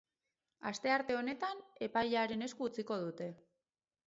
Astearte honetan, epailearen esku utziko dute.